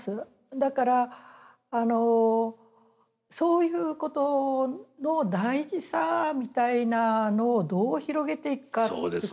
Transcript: だからそういうことの大事さみたいなのをどう広げていくかってことだと思うんですね。